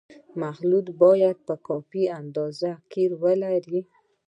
مخلوط باید په کافي اندازه قیر ولري